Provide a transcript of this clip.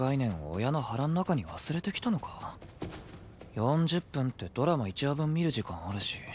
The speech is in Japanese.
４０分ってドラマ１話分見る時間あるし。